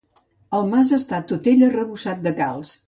El mas està tot ell arrebossat de calç.